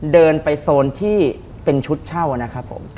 เดินไปโซนที่เป็นชุดเช่านั้น